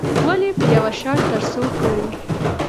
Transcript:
ولې په يوه شرط، ترڅو پورې